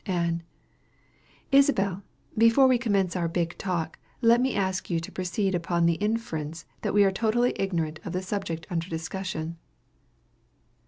Ann. Isabel, before we commence our "big talk," let me ask you to proceed upon the inference that we are totally ignorant of the subject under discussion.